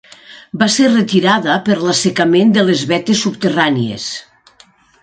Va ser retirada per l'assecament de les vetes subterrànies.